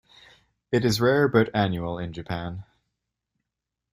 It is rare but annual in Japan.